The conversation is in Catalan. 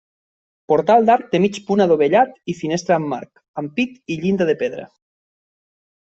Portal d'arc de mig punt adovellat i finestra amb marc, ampit i llinda de pedra.